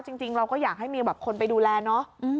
จริงเราก็อยากให้มีแบบคนไปดูแลเนอะ